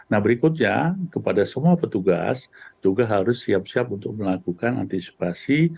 nah berikutnya kepada semua petugas juga harus siap siap untuk melakukan antisipasi